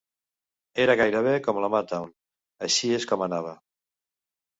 Era gairebé com la Motown, així és com anava.